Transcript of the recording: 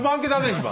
今。